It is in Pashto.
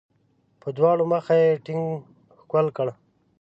په دواړه مخه یې ټینګ ښکل کړ.